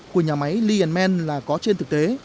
của nhà máy lee men là có trên thực tế